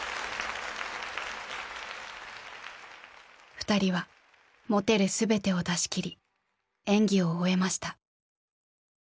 ２人は持てる全てを出しきり演技を終えました。